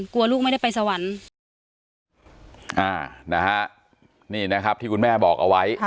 กลัวลูกไม่ได้ไปสวรรค์นี่นะครับที่คุณแม่บอกเอาไว้